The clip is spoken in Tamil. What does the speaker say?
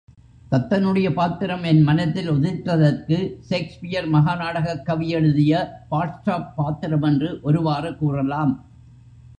தத்தனுடைய பாத்திரம் என் மனத்தில் உதித்ததற்கு, ஷேக்ஸ்பியர் மகா நாடகக் கவி எழுதிய பால்ஸ்டாப் பாத்திரமென்று ஒருவாறு கூறலாம்.